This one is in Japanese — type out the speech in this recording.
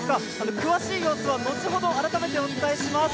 詳しい様子は後ほど改めてお伝えします。